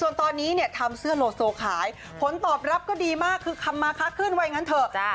ส่วนตอนนี้เนี่ยทำเสื้อโลโซขายผลตอบรับก็ดีมากคือคำมาคะขึ้นว่าอย่างนั้นเถอะ